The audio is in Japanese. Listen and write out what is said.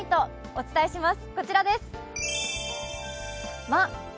お伝えします。